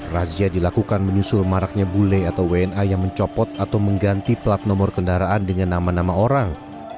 razia dilakukan menyusul maraknya bule atau wna yang mencopot atau mengganti plat nomor kendaraan dengan nama nama orang